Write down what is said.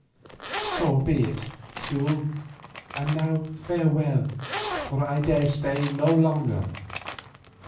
"So be it, Teule, and now farewell, for I dare stay no longer.